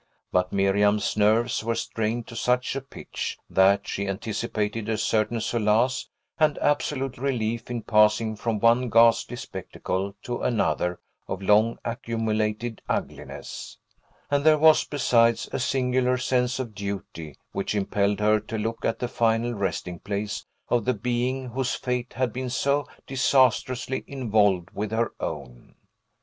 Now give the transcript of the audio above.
But Miriam's nerves were strained to such a pitch, that she anticipated a certain solace and absolute relief in passing from one ghastly spectacle to another of long accumulated ugliness; and there was, besides, a singular sense of duty which impelled her to look at the final resting place of the being whose fate had been so disastrously involved with her own.